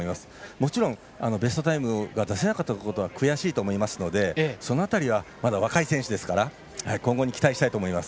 もちろん、ベストタイムが出せなかったことは悔しいと思いますのでその辺りはまだ若い選手ですから今後に期待したいと思います。